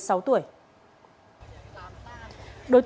đối tượng khám xét